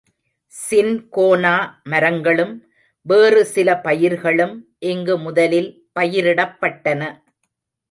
Cinchona மரங்களும் வேறு சில பயிர்களும் இங்கு முதலில் பயிரிடப்பட்டன.